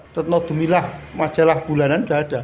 retnodemilah majalah bulanan sudah ada